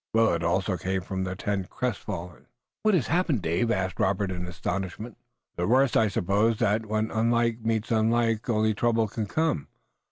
Willet also came from the tent, crestfallen. "What has happened, Dave?" asked Robert in astonishment. "The worst. I suppose that when unlike meets unlike only trouble can come.